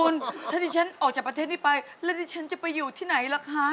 แล้วที่ฉันจะไปอยู่ที่ไหนล่ะค่ะ